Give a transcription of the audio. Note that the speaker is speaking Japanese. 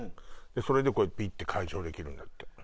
それでピッ！て解錠できるんだって。